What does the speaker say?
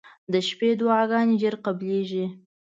• د شپې دعاګانې زر قبلېږي.